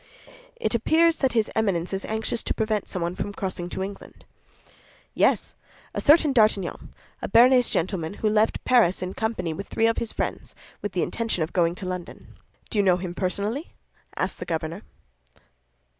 "It appears that his Eminence is anxious to prevent someone from crossing to England?" "Yes; a certain D'Artagnan, a Béarnese gentleman who left Paris in company with three of his friends, with the intention of going to London." "Do you know him personally?" asked the governor.